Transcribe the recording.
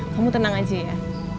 kamu tenang aja ya